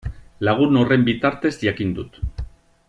Lagun horren bitartez jakin dut.